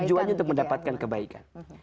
tujuannya untuk mendapatkan kebaikan